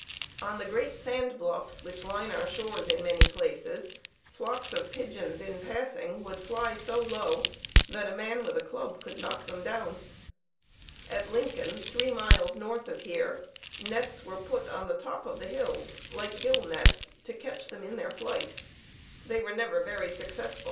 On the great sand bluffs which line our shores in many places, flocks of pigeons in passing would fly so low that a man with a club could knock them down. At Lincoln, three miles north of here, nets were put on the top of the hills, like gill nets, to catch them in their flight. They were never very successful.